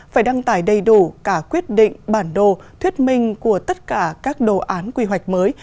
phải đăng tải đầy đủ cả quyết định bản đồ thuyết minh của tất cả các đồ án quy hoạch mới